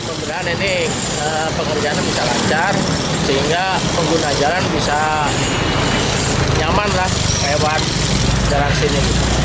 sebenarnya ini pekerjaan bisa lancar sehingga pengguna jalan bisa nyaman lah lewat jalan sini